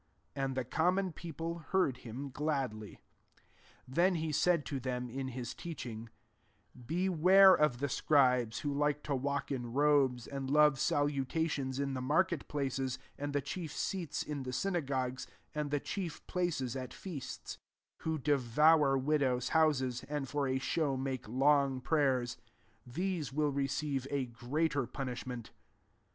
And the common people beard him gladly. 58 Then he said to them, in his teaching, ^^ Beware of the scribes, who like to walk in robes, 59 and love salutations in the market places, and the chief seats in the synagogues, and the chief places at feasts : 40 who devour widows' houses, and for a show make long pray ers : these will receive a great er punishment.''